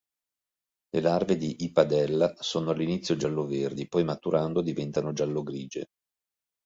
Le larve di "Y. padella" sono all'inizio giallo-verdi, poi, maturando, diventano giallo-grigie.